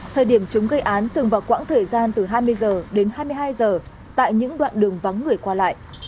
thời điểm chúng gây án từng vào quãng thời gian từ hai mươi h đến hai mươi hai h tại những đoạn đường vắng người qua lại